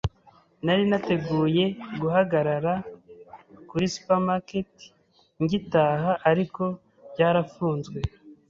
Nari nateguye guhagarara kuri supermarket ngitaha, ariko byarafunzwe.